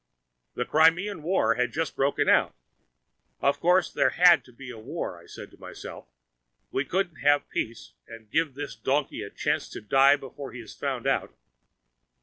The Crimean war had just broken out. Of course there had to be a war, I said to myself: we couldn't have peace and give this donkey a chance to die before he is found out.